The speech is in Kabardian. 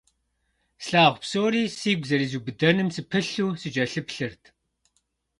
Слъагъу псори сигу зэризубыдэным сыпылъу сыкӀэлъыплъырт.